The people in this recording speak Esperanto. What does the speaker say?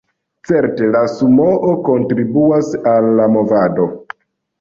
Certe la Sumoo kontribuas al la movado.